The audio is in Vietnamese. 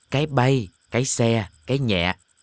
cái bay cái xe cái nhẹ